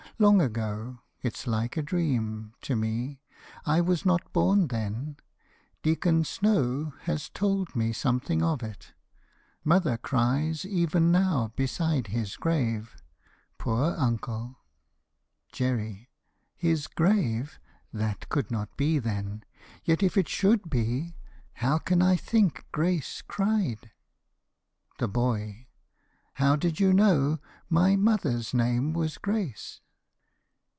Long ago; it's like a dream To me. I was not born then. Deacon Snow Has told me something of it. Mother cries Even now, beside his grave. Poor uncle! JERRY. His grave! (That could not be, then.) Yet if it should be, How can I think Grace cried THE BOY. How did you know My mother's name was Grace?